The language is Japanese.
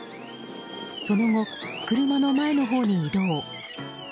その後、車の前のほうに移動。